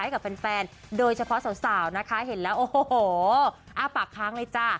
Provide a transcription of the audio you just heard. กับแฟนโดยเฉพาะสาวนะคะเห็นแล้วโอ้โหอ้าปากค้างเลยจ้ะ